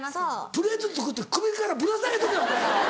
プレート作って首からぶら下げとけお前ら！